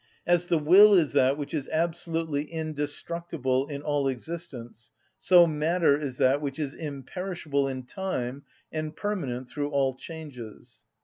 As the will is that which is absolutely indestructible in all existence, so matter is that which is imperishable in time and permanent through all changes.